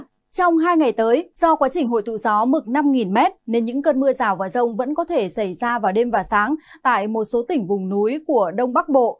trong hai ngày tới do quá trình hội tụ gió mực năm m nên những cơn mưa rào và rông vẫn có thể xảy ra vào đêm và sáng tại một số tỉnh vùng núi của đông bắc bộ